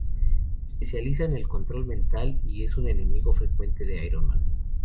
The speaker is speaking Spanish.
Se especializa en el control mental, y es un enemigo frecuente de Iron Man.